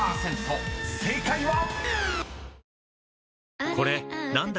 正解は⁉］